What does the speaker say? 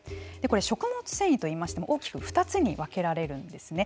食物繊維といいましても大きく２つに分けられるんですね。